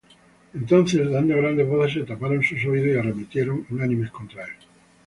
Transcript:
Entonces dando grandes voces, se taparon sus oídos, y arremetieron unánimes contra él;